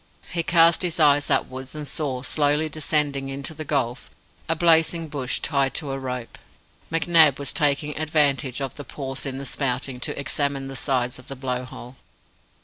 He cast his eyes upwards and saw, slowly descending into the gulf, a blazing bush tied to a rope. McNab was taking advantage of the pause in the spouting to examine the sides of the Blow hole.